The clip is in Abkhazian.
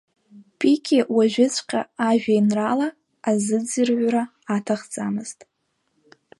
Пики уажәыҵәҟьа ажәеинраала азыӡырҩра аҭахӡамызт.